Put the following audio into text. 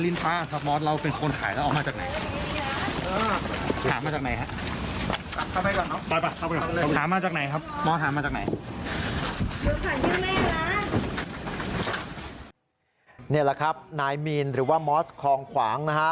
นี่แหละครับนายมีนหรือว่ามอสคองขวางนะฮะ